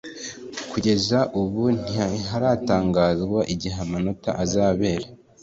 Kugeza ubu ntiharatangazwa igihe amatora azabera